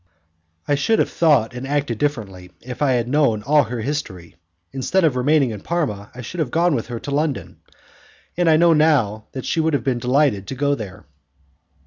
I should have thought and acted differently if I had known all her history. Instead of remaining in Parma I should have gone with her to London, and I know now that she would have been delighted to go there.